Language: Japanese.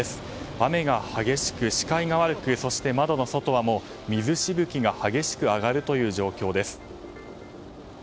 雨が激しく、視界が悪くそして窓の外は水しぶきが激しく上がるという状況です。